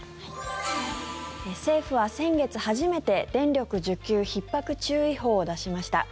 政府は先月初めて電力需給ひっ迫注意報を出しました。